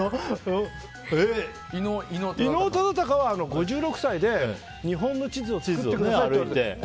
伊能忠敬は５６歳で日本の地図を作ったじゃないですか。